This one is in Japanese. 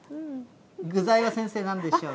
具材は先生、なんでしょうか。